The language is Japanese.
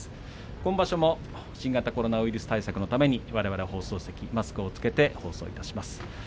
今場所も新型コロナウイルス対策のために、われわれ放送席マスクを着けて放送いたします。